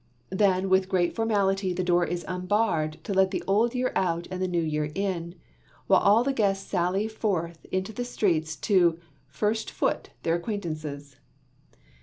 Then with great formality the door is unbarred to let the Old Year out and the New Year in, while all the guests sally forth into the streets to "first foot" their acquaintances.